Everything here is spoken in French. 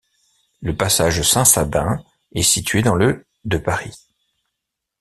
Le passage Saint-Sabin est situé dans le de Paris.